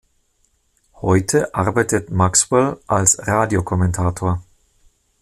Heute arbeitet Maxwell als Radiokommentator.